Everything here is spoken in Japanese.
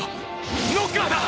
ノッカーだ！！